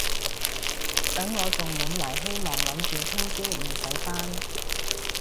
等我仲滿懷希望諗住聽朝唔使返